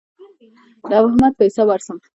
د احمد په حساب ورسم.